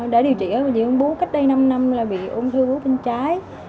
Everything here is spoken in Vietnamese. đã điều trị ở bệnh viện ung bướu cách đây năm năm là bị ung thư búa bên trái